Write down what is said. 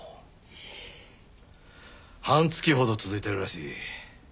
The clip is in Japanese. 半月ほど続いているらしい。